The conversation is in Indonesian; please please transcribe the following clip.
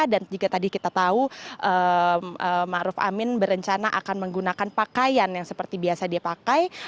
dan jika tadi kita tahu ma'ruf amin berencana akan menggunakan pakaian yang seperti biasa dia pakai